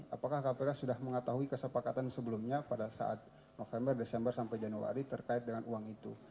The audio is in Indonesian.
apakah kpk sudah mengetahui kesepakatan sebelumnya pada saat november desember sampai januari terkait dengan uang itu